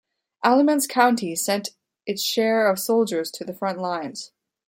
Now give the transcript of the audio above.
Alamance County sent its share of soldiers to the front lines.